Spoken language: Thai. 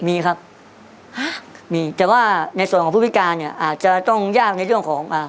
มีครับฮะมีแต่ว่าในส่วนของผู้พิการเนี้ยอาจจะต้องยากในเรื่องของอ่า